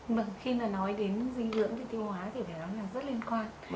mình khi nói đến dinh dưỡng và tiêu hóa thì phải nói là rất liên quan